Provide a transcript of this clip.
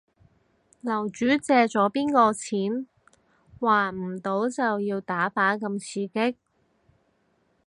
樓主借咗邊個錢？還唔到就要打靶咁刺激